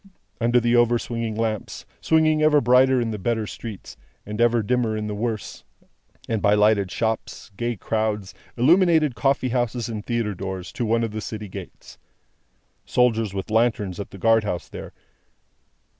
Under the over swinging lamps swinging ever brighter in the better streets, and ever dimmer in the worse and by lighted shops, gay crowds, illuminated coffee houses, and theatre doors, to one of the city gates. Soldiers with lanterns, at the guard house there.